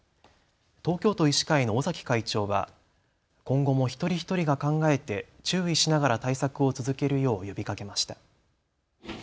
東京都医師会の尾崎会長は今後も一人一人が考えて注意しながら対策を続けるよう呼びかけました。